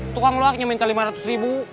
tukang loaknya minta lima ratus ribu